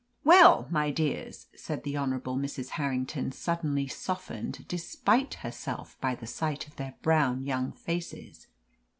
"Well, my dears," said the Honourable Mrs. Harrington, suddenly softened despite herself by the sight of their brown young faces.